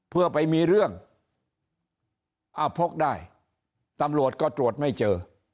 เพื่อไปมีเรื่องอ้าวพกได้ตำรวจก็ตรวจไม่เจอ